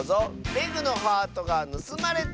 「レグのハートがぬすまれた！」